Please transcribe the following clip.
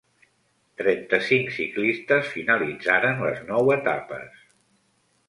Trenta-cinc ciclistes finalitzaren les nou etapes.